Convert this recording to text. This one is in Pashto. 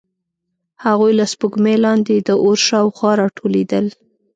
هغوی له سپوږمۍ لاندې د اور شاوخوا راټولېدل.